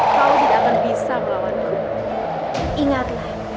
kau tidak akan bisa melawan aku